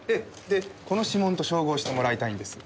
でこの指紋と照合してもらいたいんです。